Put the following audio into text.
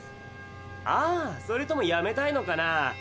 ああそれともやめたいのかな？